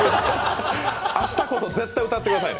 明日こそ絶対歌ってくださいね！